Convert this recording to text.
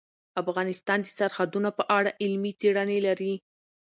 افغانستان د سرحدونه په اړه علمي څېړنې لري.